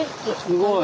すごい。